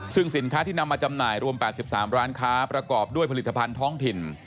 ซึ่งสินค้าที่นำมาจำหน่ายรวม๘๓ร้านค้าประกอบด้วยผลิตภัณฑ์ท้องถิ่น